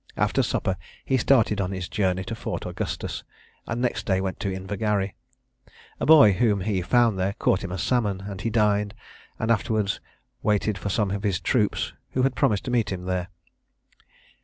After supper he started on his journey to Fort Augustus, and next day went on to Invergarry. A boy, whom he found there caught him a salmon and he dined, and afterwards waited for some of his troops, who had promised to meet him there.